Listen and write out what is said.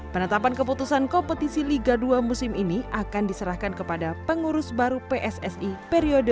penetapan keputusan kompetisi liga dua musim ini akan diserahkan kepada pengurus baru pssi periode dua ribu dua puluh tiga dua ribu dua puluh tujuh